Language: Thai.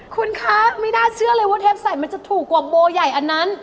คุณคะไม่น่าเชื่อเลยว่าเทปใส่มันจะถูกกว่าโบใหญ่อันนั้น